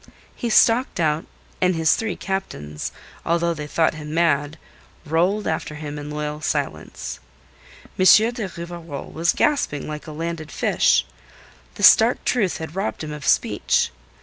He stalked out, and his three captains although they thought him mad rolled after him in loyal silence. M. de Rivarol was gasping like a landed fish. The stark truth had robbed him of speech.